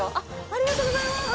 ありがとうございます。